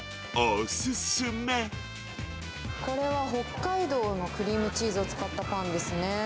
これは北海道のクリームチーズを使ったパンですね。